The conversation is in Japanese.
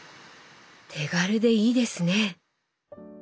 手軽でいいですね。